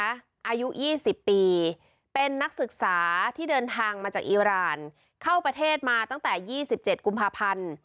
อายุ๒๐ปีเป็นนักศึกษาที่เดินทางมาจากอีรานเข้าประเทศมาตั้งแต่๒๗กุมภาพันธ์